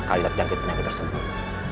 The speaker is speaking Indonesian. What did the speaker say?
kaliat jangkitan yang tersebut